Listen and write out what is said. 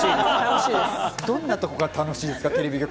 どんなところが楽しいですか？